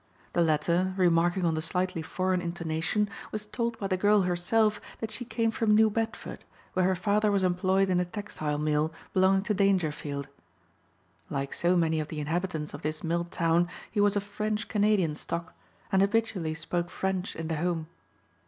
The latter, remarking on the slightly foreign intonation, was told by the girl herself that she came from New Bedford where her father was employed in a textile mill belonging to Dangerfield. Like so many of the inhabitants of this mill town he was of French Canadian stock and habitually spoke French in the home.